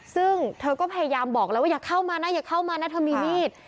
ซึ่งเธอก็พยายามบอกแล้วว่าอย่าเข้ามานะอย่าเข้ามานะเธอมีมีด